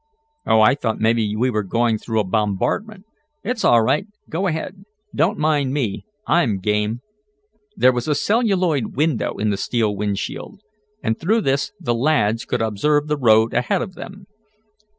"Oh, I thought maybe we were going through a bombardment. It's all right, go ahead, don't mind me. I'm game." There was a celluloid window in the steel wind shield, and through this the lads could observe the road ahead of them.